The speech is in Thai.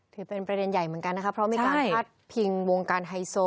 ถือเป็นประเด็นใหญ่เหมือนกันนะคะเพราะมีการพาดพิงวงการไฮโซ